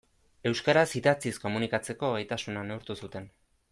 Euskaraz idatziz komunikatzeko gaitasuna neurtu zuten.